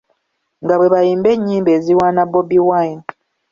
Nga bwe bayimba ennyimba eziwaana Bobi Wine.